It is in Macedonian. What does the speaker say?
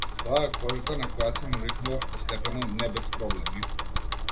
Тоа е кожата на која се навикнував постепено, не без проблеми.